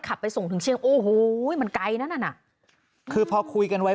ไปส่งถึงเชียงโอ้โหมันไกลนั้นน่ะคือพอคุยกันไว้